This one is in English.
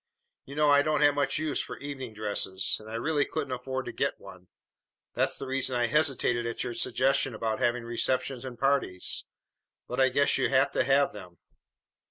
You know I don't have much use for evening dresses, and I really couldn't afford to get one. That's the reason I hesitated at your suggestion about having receptions and parties. But I guess you have to have them."